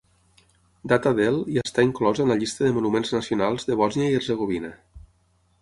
Data del i està inclòs en la llista de monuments nacionals de Bòsnia i Hercegovina.